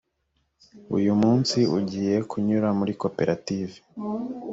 uyu munsi ugiye kunyura muri koperative